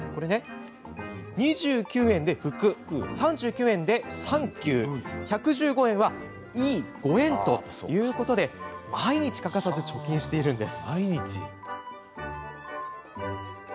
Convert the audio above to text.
２９円で福３９円でサンキュー１１５円はいいご縁ということで毎日欠かさず貯金しているんです。